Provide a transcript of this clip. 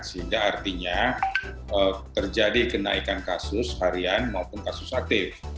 sehingga artinya terjadi kenaikan kasus harian maupun kasus aktif